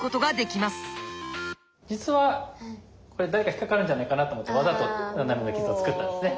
実はこれ誰か引っかかるんじゃないかなと思ってわざとナナメの傷を作ったんですね。